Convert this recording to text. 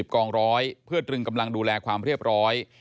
กองร้อยเพื่อตรึงกำลังดูแลความเรียบร้อย